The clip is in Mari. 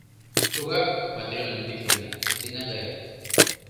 — Тугак, Матрена Дмитриевна, тендан гаяк.